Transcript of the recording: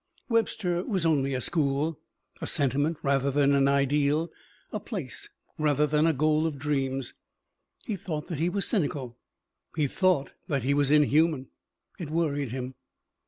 Webster was only a school. A sentiment rather than an ideal, a place rather than a goal of dreams. He thought that he was cynical. He thought that he was inhuman. It worried him.